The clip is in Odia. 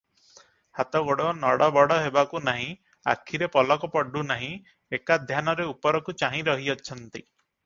ହାତ ଗୋଡ଼ ନଡ଼ ବଡ଼ ହେବାକୁ ନାହିଁ, ଆଖିରେ ପଲକ ପଡୁ ନାହିଁ, ଏକଧ୍ୟାନରେ ଉପରକୁ ଚାହିଁରହିଛନ୍ତି ।